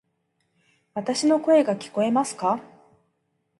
わたし（の声）が聞こえますか？